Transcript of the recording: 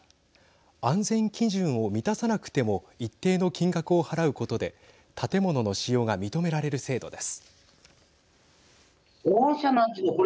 安全基準を満たさなくても一定の金額を払うことで建物の使用が認められる制度です。